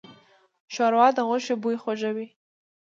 ښوروا د غوښې بوی خوږوي.